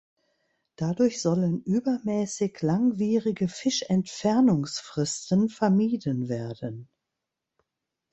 Dadurch sollen übermäßig langwierige Fischentfernungsfristen vermieden werden.